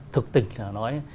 thực tình là nói